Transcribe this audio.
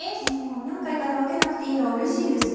何回かに分けなくていいのはうれしいですね。